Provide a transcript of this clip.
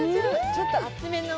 ちょっと厚めの。